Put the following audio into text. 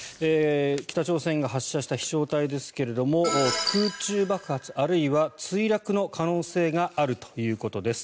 北朝鮮が発射した飛翔体ですが空中爆発あるいは墜落の可能性があるということです。